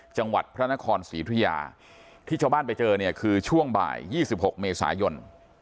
จังหวัดพระนครศรีธุยาที่ชาวบ้านไปเจอเนี่ยคือช่วงบ่าย๒๖เมษายน